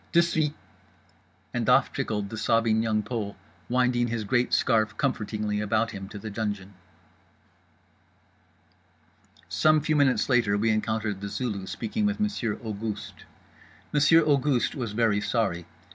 De suite!_" And off trickled the sobbing Young Pole, winding his great scarf comfortingly about him, to the dungeon. Some few minutes later we encountered The Zulu speaking with Monsieur Auguste. Monsieur Auguste was very sorry.